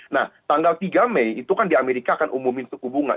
nah tanggal tiga mei itu kan di amerika akan umumin suku bunga